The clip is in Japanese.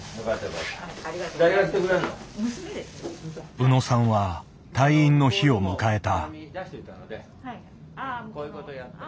宇野さんは退院の日を迎えた。